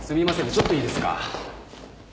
ちょっといいですか？